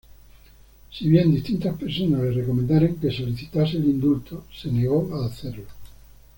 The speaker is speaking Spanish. Si bien distintas personas le recomendaron que solicitase el indulto, se negó a hacerlo.